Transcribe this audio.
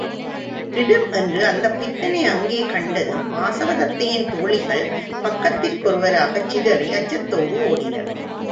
திடும் என்று அந்தப் பித்தனை அங்கே கண்டதும் வாசவதத்தையின் தோழிகள் பக்கத்திற்கொருவராகச் சிதறி அச்சத்தோடு ஓடினர்.